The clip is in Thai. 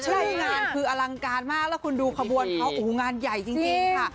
ใช่งานคืออลังการมากแล้วคุณดูขบวนเขาโอ้โหงานใหญ่จริงค่ะ